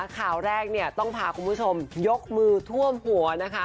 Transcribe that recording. ข่าวแรกต้องพาคุณผู้ชมยกมือท่วมหัว